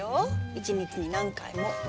１日に何回も。